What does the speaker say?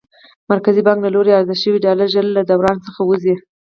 مرکزي بانک له لوري عرضه شوي ډالر ژر له دوران څخه وځي.